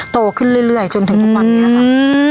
โตขึ้นเรื่อยจนถึงกว่าวันนี้